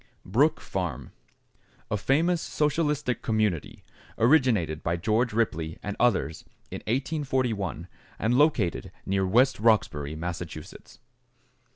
=Brook Farm.= A famous socialistic community, originated by George Ripley and others in 1841 and located near West Roxbury, Massachusetts.